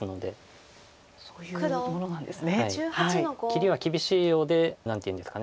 切りは厳しいようで何というんですか。